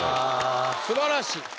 素晴らしい。